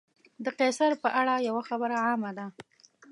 د قیصر په اړه یوه خبره عامه ده.